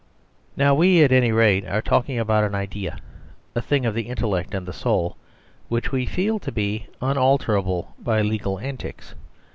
Now we, at any rate, are talking about an idea, a thing of the intellect and the soul; which we feel to be unalterable by legal antics.